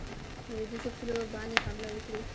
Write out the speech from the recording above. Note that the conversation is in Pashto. پر لوېدیخو پولو باندي حمله وکړي.